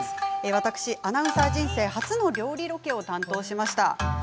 私、アナウンサー人生初の料理ロケを担当しました。